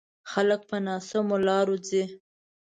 خلک په ناسمو لارو ځي.